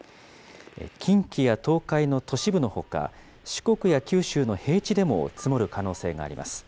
近畿や東海の都市部のほか、四国や九州の平地でも積もる可能性があります。